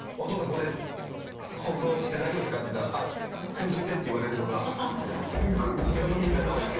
これ放送して大丈夫ですかって言ったら「せんといて」って言われるのがすごい時間の無駄だなって思う。